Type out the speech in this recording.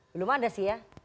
belum ada sih ya